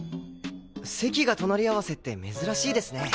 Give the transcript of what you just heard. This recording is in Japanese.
席が隣り合わせって珍しいですね。